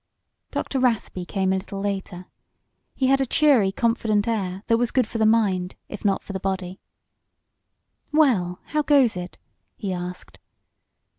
Dr. Rathby came a little later. He had a cheery, confident air that was good for the mind, if not for the body. "Well, how goes it?" he asked.